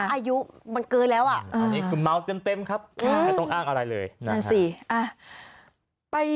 อายุมันเกินแล้วอ่ะอันนี้คือเมาเต็มครับไม่ต้องอ้างอะไรเลยนั่นสิ